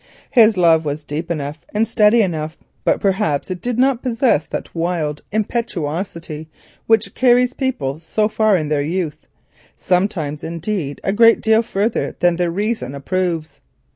His love was deep enough and steady enough, but perhaps it did not possess that wild impetuosity which carries people so far in their youth, sometimes indeed a great deal further than their reason approves.